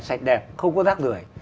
sạch đẹp không có rác rưỡi